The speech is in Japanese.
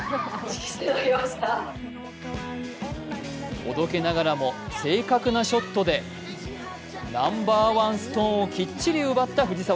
おどけながらも正確なショットでナンバー１ストーンをきっちり奪った藤澤。